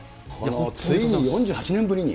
ついに４８年ぶりに。